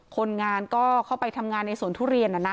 คนงานก็เข้าไปทำงานในสวนทุเรียนนะนะ